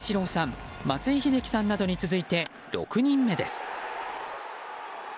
日本人ではイチローさん松井秀喜さんなどに続いて６人目です。